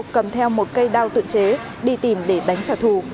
cầm theo một cây đao tự chế đi tìm để đánh trả thù